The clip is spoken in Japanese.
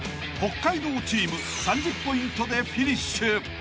［北海道チーム３０ポイントでフィニッシュ］